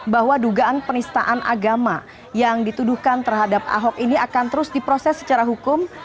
bahwa dugaan penistaan agama yang dituduhkan terhadap ahok ini akan terus diproses secara hukum